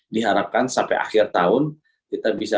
diharapkan sampai akhir tahun kita bisa